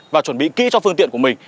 và chuẩn bị kỹ cho phương tiện của mình